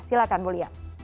silakan bu lia